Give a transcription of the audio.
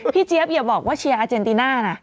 เจี๊ยบอย่าบอกว่าเชียร์อาเจนติน่านะ